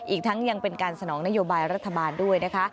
อีกทั้งยังเป็นการสนองนโยบายรัฐบาลด้วยนะคะ